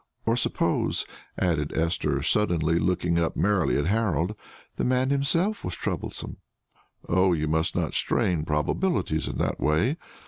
Or suppose," added Esther, suddenly looking up merrily at Harold, "the man himself was troublesome?" "Oh, you must not strain probabilities in that way.